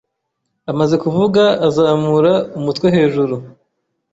Amaze kuvuga azamura umutwehejuru